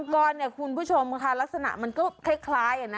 แต่คุณผู้ชมค่ะลักษณะมันก็คล้าย